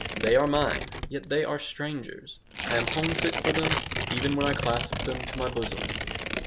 They are mine, yet they are strangers. I am homesick for them even when I clasp them to my bosom."